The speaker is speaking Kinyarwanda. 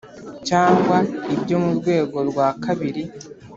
cyangwa ibyo mu rwego rwa kabiri.